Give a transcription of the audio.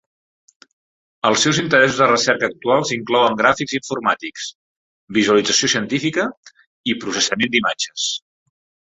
Els seus interessos de recerca actuals inclouen gràfics informàtics, visualització científica i processament d'imatges.